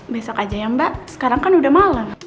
besok aja ya mbak sekarang kan udah malam